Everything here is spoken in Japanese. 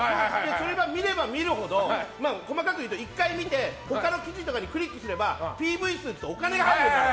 それを見れば見るほど細かくいうと１回見て、他の記事とかをクリックすればＰＶ数っていってお金が入るの。